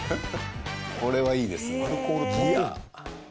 これはいいですね。